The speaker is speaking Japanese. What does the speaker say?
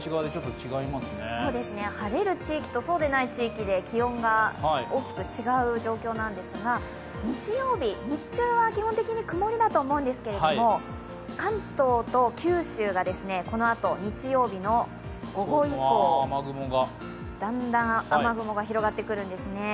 晴れる地域とそうでない地域で気温が大きく違う状況なんですが、日曜日、日中は基本的に曇りだと思うんですが関東と九州がこのあと日曜日の午後以降、だんだん雨雲が広がってくるんですね。